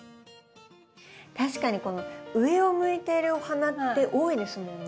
確かにこの上を向いているお花って多いですもんね。